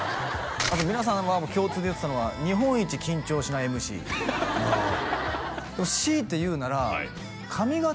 あと皆さんが共通で言ってたのは日本一緊張しないＭＣでも強いて言うなら髪形